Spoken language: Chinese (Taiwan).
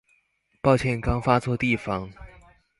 抱歉剛發錯地方